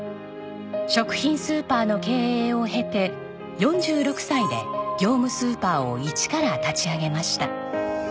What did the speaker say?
食品スーパーの経営を経て４６歳で業務スーパーを一から立ち上げました。